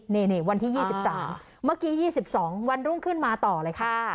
เนี่ยเนี่ยวันที่ยี่สิบสามเมื่อกี้ยี่สิบสองวันรุ่งขึ้นมาต่อเลยค่ะ